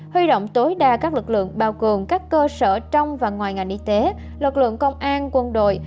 huy động tối đa các lực lượng bao gồm các cơ sở trong và ngoài ngành y tế lực lượng công an quân đội